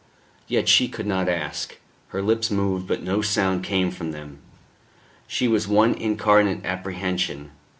Yet she could not ask. Her lips moved; but no sound came from them. She was one incarnate apprehension.